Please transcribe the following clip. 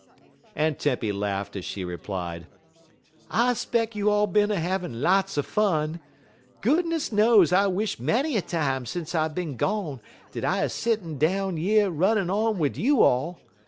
'" Aunt Tempy laughed as she replied: "I 'speck you all bin a havin' lots er fun. Goodness knows I wish many a time sence I bin gone dat I 'uz settin' down yer runnin' on wid you all.